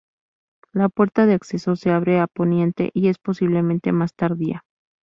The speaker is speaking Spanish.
La puerta de acceso se abre a poniente, y es posiblemente más tardía.